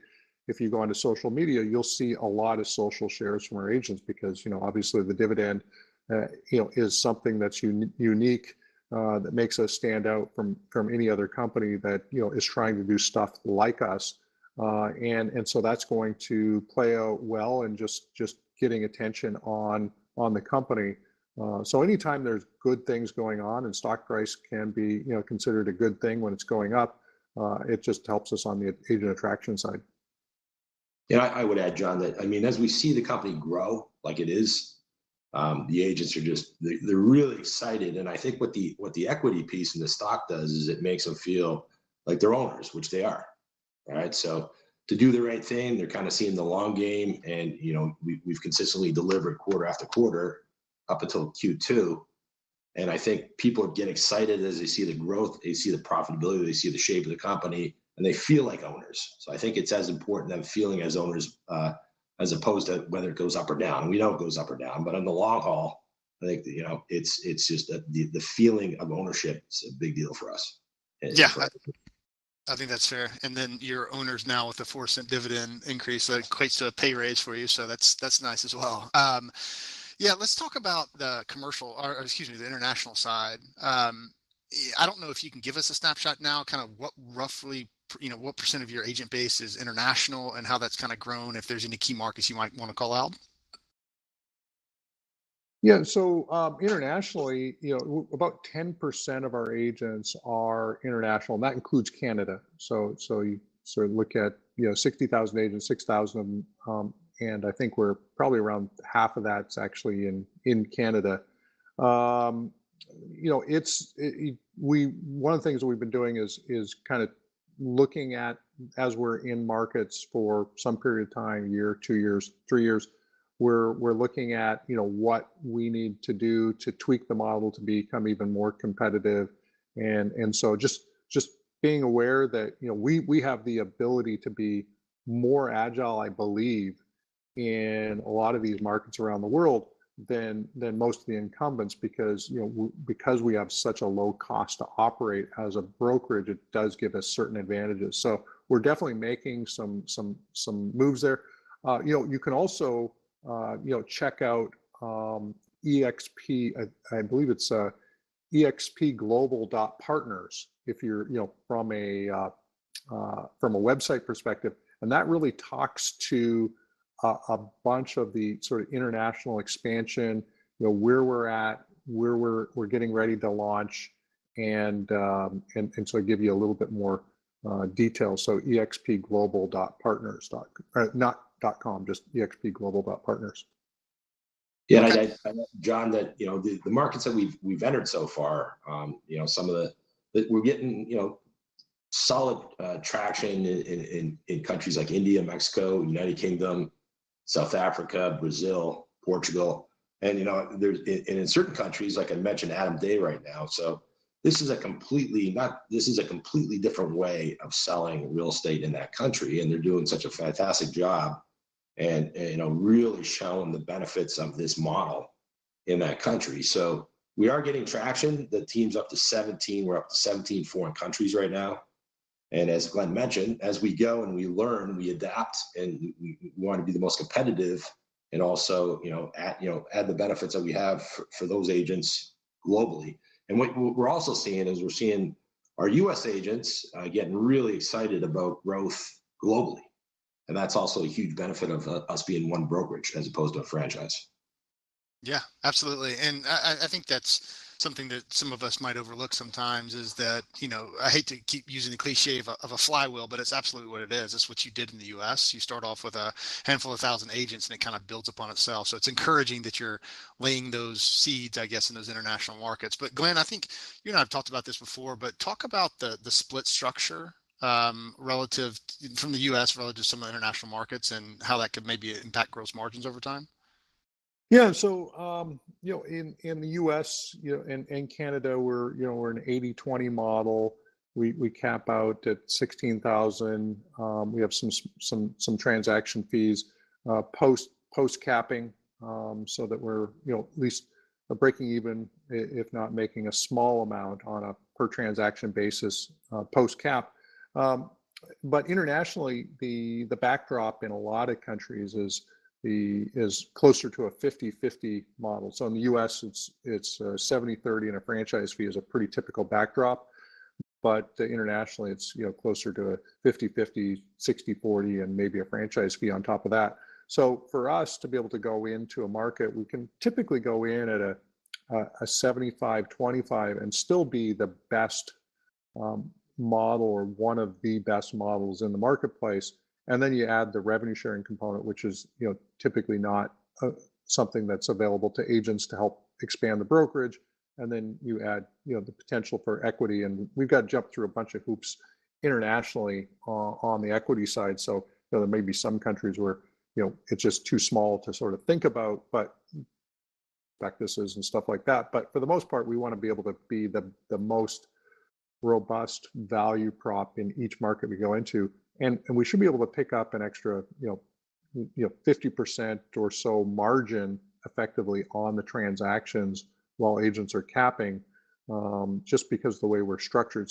if you go onto social media, you'll see a lot of social shares from our agents because obviously the dividend is something that's unique that makes us stand out from any other company that is trying to do stuff like us. That's going to play out well in just getting attention on the company. Anytime there's good things going on and stock price can be considered a good thing when it's going up, it just helps us on the agent attraction side. Yeah, I would add, John, that as we see the company grow like it is, the agents are just really excited. I think what the equity piece and the stock does is it makes them feel like they're owners, which they are. Right? To do the right thing, they're kind of seeing the long game, and we've consistently delivered quarter after quarter up until Q2. I think people get excited as they see the growth, they see the profitability, they see the shape of the company, and they feel like owners. I think it's as important them feeling as owners as opposed to whether it goes up or down. We know it goes up or down. In the long haul, I think it's just the feeling of ownership is a big deal for us. Yeah. I think that's fair. You're owners now with the $0.04 dividend increase. That equates to a pay raise for you, so that's nice as well. Yeah, let's talk about the international side. I don't know if you can give us a snapshot now, kind of what % of your agent base is international and how that's kind of grown, if there's any key markets you might want to call out? Internationally, about 10% of our agents are international, and that includes Canada. You sort of look at 60,000 agents, 6,000, and I think probably around half of that's actually in Canada. One of the things that we've been doing is kind of looking at, as we're in markets for some period of time, a year, two years, three years. We're looking at what we need to do to tweak the model to become even more competitive. Just being aware that we have the ability to be more agile, I believe, in a lot of these markets around the world than most of the incumbents because we have such a low cost to operate as a brokerage, it does give us certain advantages. We're definitely making some moves there. You can also check out eXp. I believe it's expglobal.partners if you're from a website perspective. That really talks to a bunch of the sort of international expansion, where we're at, where we're getting ready to launch, give you a little bit more detail. expglobal.partners. Not .com, just expglobal.partners. Yeah. John, the markets that we've entered so far, we're getting solid traction in countries like India, Mexico, United Kingdom, South Africa, Brazil, Portugal. In certain countries, like I mentioned Adam Day right now, this is a completely different way of selling real estate in that country, and they're doing such a fantastic job and really showing the benefits of this model in that country. We are getting traction. The team's up to 17. We're up to 17 foreign countries right now. As Glenn mentioned, as we go and we learn, we adapt and we want to be the most competitive and also add the benefits that we have for those agents globally. What we're also seeing is we're seeing our U.S. agents getting really excited about growth globally. That's also a huge benefit of us being one brokerage as opposed to a franchise. Yeah, absolutely. I think that's something that some of us might overlook sometimes is that, I hate to keep using the cliché of a flywheel, but it's absolutely what it is. It's what you did in the U.S. You start off with a handful of 1,000 agents, and it kind of builds upon itself. It's encouraging that you're laying those seeds, I guess, in those international markets. Glenn, I think you and I have talked about this before, but talk about the split structure from the U.S. relative to some of the international markets and how that could maybe impact gross margins over time. In the U.S. and Canada, we're an 80/20 model. We cap out at $16,000. We have some transaction fees post-capping, so that we're at least breaking even, if not making a small amount on a per transaction basis post-cap. Internationally, the backdrop in a lot of countries is closer to a 50/50 model. In the U.S., it's 70/30 and a franchise fee is a pretty typical backdrop. Internationally, it's closer to a 50/50, 60/40, and maybe a franchise fee on top of that. For us to be able to go into a market, we can typically go in at a 75/25 and still be the best model or one of the best models in the marketplace. You add the revenue-sharing component, which is typically not something that's available to agents to help expand the brokerage. You add the potential for equity, and we've got to jump through a bunch of hoops internationally on the equity side. There may be some countries where it's just too small to sort of think about, but practices and stuff like that. For the most part, we want to be able to be the most robust value prop in each market we go into, and we should be able to pick up an extra 50% or so margin effectively on the transactions while agents are capping, just because the way we're structured.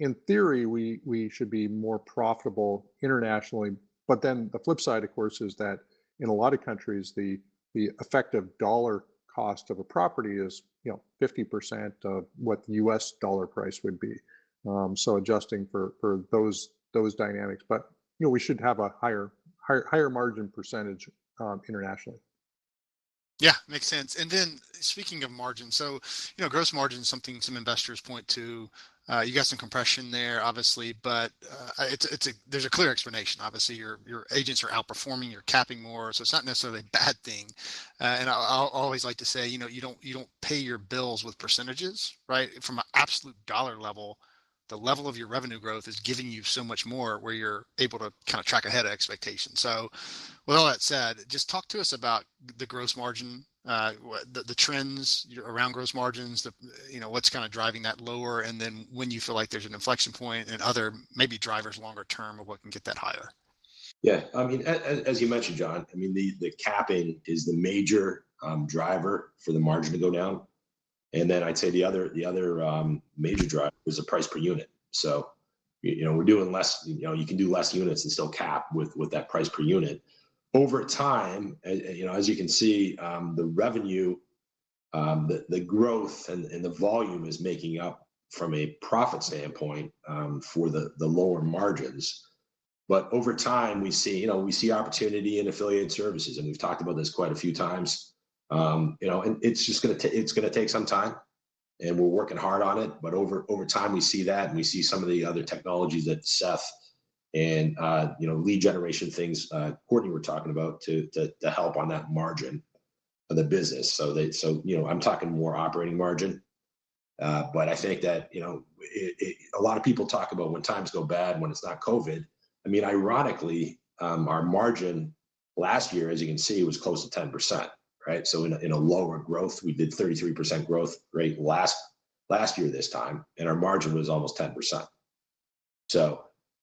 In theory, we should be more profitable internationally. The flip side, of course, is that in a lot of countries, the effective dollar cost of a property is 50% of what the US dollar price would be. Adjusting for those dynamics. We should have a higher margin percentage internationally. Yeah, makes sense. Then speaking of margin. Gross margin is something some investors point to. You got some compression there, obviously, but there's a clear explanation. Obviously, your agents are outperforming, you're capping more. It's not necessarily a bad thing. I'll always like to say you don't pay your bills with percentages, right? From an absolute dollar level, the level of your revenue growth is giving you so much more where you're able to kind of track ahead of expectations. With all that said, just talk to us about the gross margin, the trends around gross margins, what's kind of driving that lower, and then when you feel like there's an inflection point and other maybe drivers longer term of what can get that higher. Yeah. As you mentioned, John, the capping is the major driver for the margin to go down. I'd say the other major driver is the price per unit. You can do less units and still cap with that price per unit. Over time, as you can see, the revenue, the growth, and the volume is making up from a profit standpoint for the lower margins. Over time, we see opportunity in affiliate services, and we've talked about this quite a few times. It's going to take some time, and we're working hard on it, but over time, we see that, and we see some of the other technologies that Seth and lead generation things Courtney were talking about to help on that margin of the business. I'm talking more operating margin. I think that a lot of people talk about when times go bad, when it's not COVID. Ironically, our margin last year, as you can see, was close to 10%. In a lower growth, we did 33% growth rate last year this time, and our margin was almost 10%.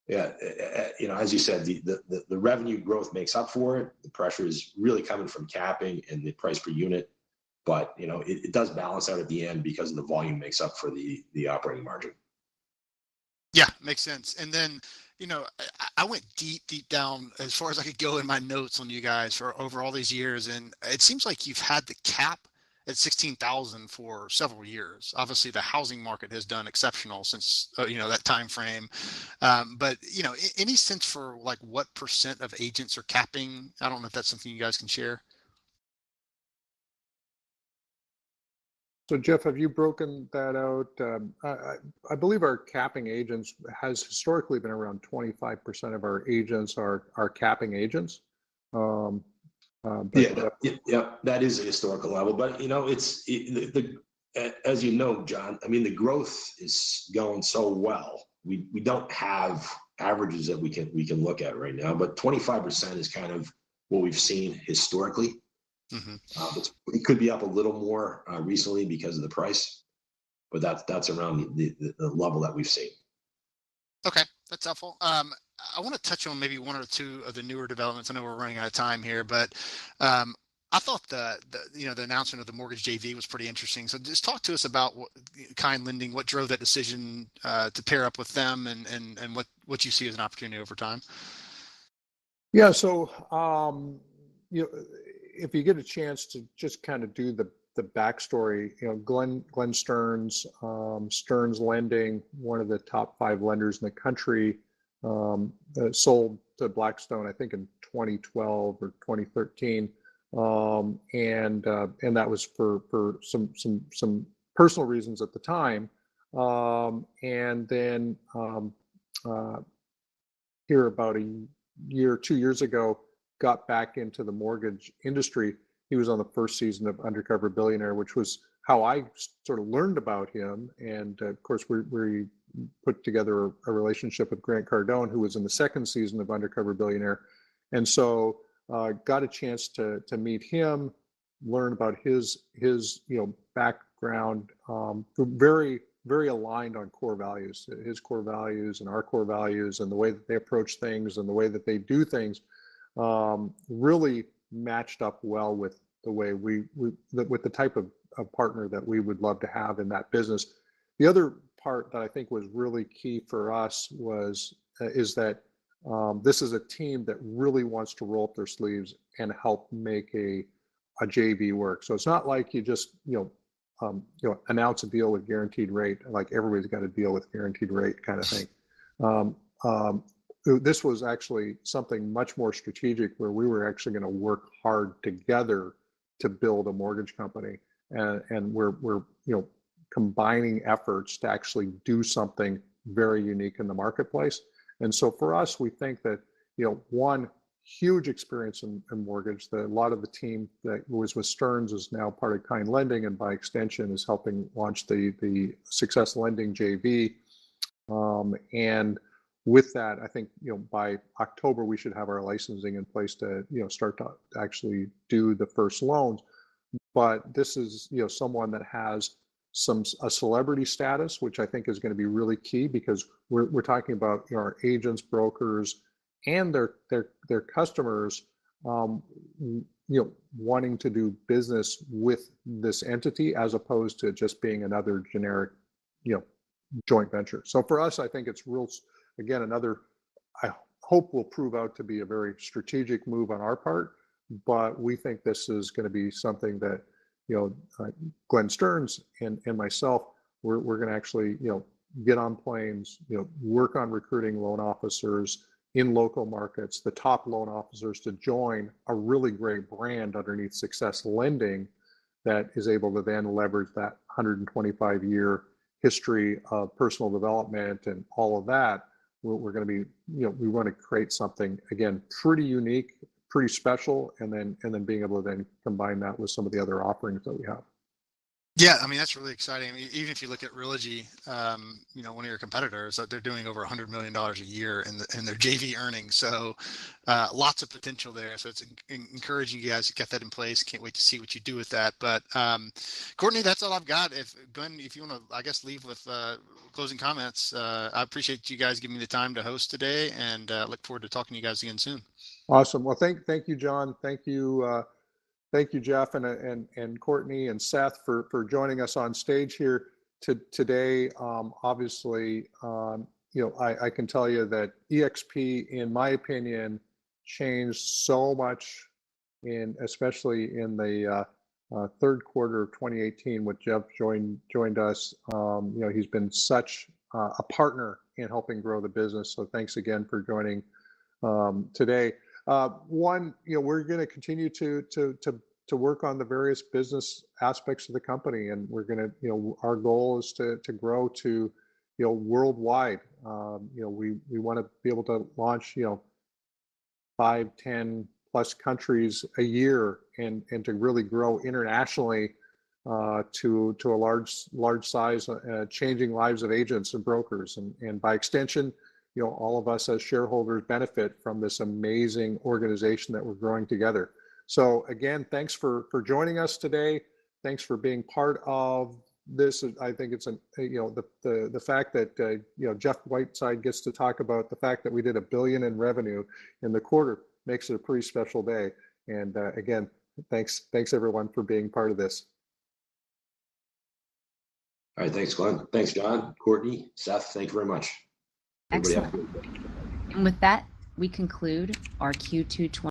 As you said, the revenue growth makes up for it. The pressure is really coming from capping and the price per unit. It does balance out at the end because the volume makes up for the operating margin. Yeah, makes sense. Then, I went deep, deep down as far as I could go in my notes on you guys for over all these years, and it seems like you've had the cap at 16,000 for several years. Obviously, the housing market has done exceptional since that time frame. Any sense for what % of agents are capping? I don't know if that's something you guys can share. Jeff, have you broken that out? I believe our capping agents has historically been around 25% of our agents are capping agents. Yeah. That is a historical level. As you know, John, the growth is going so well. We don't have averages that we can look at right now. 25% is kind of what we've seen historically. It could be up a little more recently because of the price, but that's around the level that we've seen. Okay. That's helpful. I want to touch on maybe one or two of the newer developments. I know we're running out of time here, but I thought the announcement of the mortgage JV was pretty interesting. Just talk to us about Kind Lending, what drove that decision to pair up with them, and what you see as an opportunity over time? Yeah. If you get a chance to just kind of do the backstory. Glenn Stearns Lending, one of the top five lenders in the country, sold to Blackstone, I think in 2012 or 2013. That was for some personal reasons at the time. Here about a year or two years ago, got back into the mortgage industry. He was on the first season of "Undercover Billionaire," which was how I sort of learned about him. Of course, we put together a relationship with Grant Cardone, who was in the second season of "Undercover Billionaire." Got a chance to meet him, learn about his background. Very aligned on core values. His core values and our core values, and the way that they approach things, and the way that they do things really matched up well with the type of partner that we would love to have in that business. The other part that I think was really key for us is that this is a team that really wants to roll up their sleeves and help make a JV work. It's not like you just announce a deal with Guaranteed Rate, like everybody's got a deal with Guaranteed Rate kind of thing. This was actually something much more strategic where we were actually going to work hard together to build a mortgage company. We're combining efforts to actually do something very unique in the marketplace. For us, we think that one huge experience in mortgage that a lot of the team that was with Stearns is now part of Kind Lending and by extension is helping launch the SUCCESS Lending JV. With that, I think, by October we should have our licensing in place to start to actually do the first loans. This is someone that has a celebrity status which I think is going to be really key because we're talking about our agents, brokers, and their customers wanting to do business with this entity as opposed to it just being another generic joint venture. For us, I think it's, again, another I hope will prove out to be a very strategic move on our part. We think this is going to be something that Glenn Stearns and myself, we're going to actually get on planes, work on recruiting loan officers in local markets. The top loan officers to join a really great brand underneath SUCCESS Lending that is able to then leverage that 125-year history of personal development and all of that. We want to create something, again, pretty unique, pretty special, and then being able to then combine that with some of the other offerings that we have. Yeah, that's really exciting. Even if you look at Realogy, one of your competitors, they're doing over $100 million a year in their JV earnings. Lots of potential there. It's encouraging you guys to get that in place. Can't wait to see what you do with that. Courtney Chakarun, that's all I've got. Glenn, if you want to, I guess, leave with closing comments. I appreciate you guys giving me the time to host today, and look forward to talking to you guys again soon. Awesome. Well, thank you, John. Thank you Jeff and Courtney and Seth for joining us on stage here today. Obviously, I can tell you that eXp, in my opinion, changed so much especially in the third quarter of 2018 when Jeff joined us. He's been such a partner in helping grow the business. Thanks again for joining today. One, we're going to continue to work on the various business aspects of the company. Our goal is to grow to worldwide. We want to be able to launch five, 10+ countries a year and to really grow internationally to a large size, changing lives of agents and brokers. By extension, all of us as shareholders benefit from this amazing organization that we're growing together. Again, thanks for joining us today. Thanks for being part of this. I think the fact that Jeff Whiteside gets to talk about the fact that we did $1 billion in revenue in the quarter makes it a pretty special day. Again, thanks everyone for being part of this. All right. Thanks, Glenn. Thanks, John, Courtney Chakarun, Seth Siegler. Thank you very much. Excellent. With that, we conclude our Q2 20-